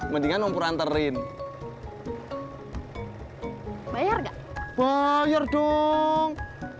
mendingan umpur amperin bayar dong